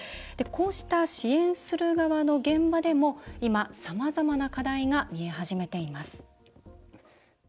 こうした支援する側の現場でも今、さまざまな課題が見え始めています。